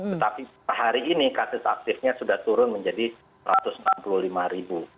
tetapi per hari ini kasus aktifnya sudah turun menjadi satu ratus enam puluh lima ribu